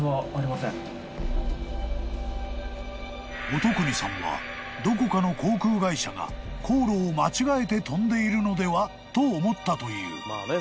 ［乙訓さんはどこかの航空会社が航路を間違えて飛んでいるのでは？と思ったという］